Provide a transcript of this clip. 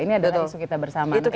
itu isu kita bersama